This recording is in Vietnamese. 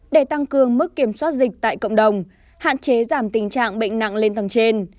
để tăng cường mức kiểm soát dịch tại cộng đồng hạn chế giảm tình trạng bệnh nặng lên tầng trên